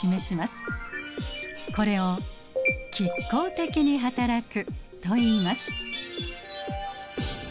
これを「拮抗的にはたらく」といいます。